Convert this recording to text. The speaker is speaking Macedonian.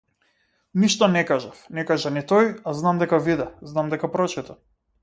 Ништо не кажав, не кажа ни тој, а знам дека виде, знам дека прочита.